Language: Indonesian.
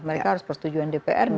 mereka harus persetujuan dprd